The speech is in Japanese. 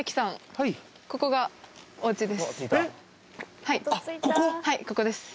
はいここです。